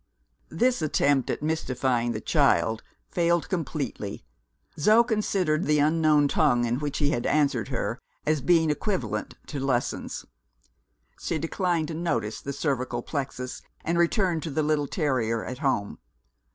This attempt at mystifying the child failed completely. Zo considered the unknown tongue in which he had answered her as being equivalent to lessons. She declined to notice the Cervical Plexus, and returned to the little terrier at home.